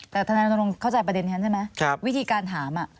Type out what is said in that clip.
แต่ธนาฬันตรงเข้าใจประเด็นนี้ใช่ไหมครับวิธีการถาม